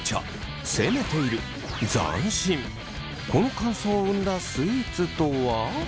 この感想を生んだスイーツとは？